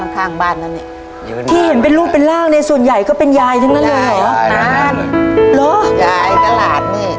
ทับผลไม้เยอะเห็นยายบ่นบอกว่าเป็นยังไงครับ